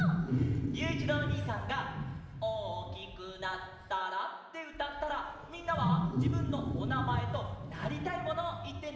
ゆういちろうおにいさんが「おおきくなったら」ってうたったらみんなはじぶんのおなまえとなりたいものをいってね！